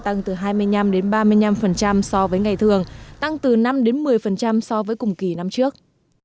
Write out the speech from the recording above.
tăng từ hai mươi năm đến ba mươi năm so với ngày thường tăng từ năm một mươi so với cùng kỳ năm trước